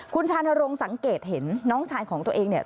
คุณชานรงค์สังเกตเห็นน้องชายของตัวเองเนี่ย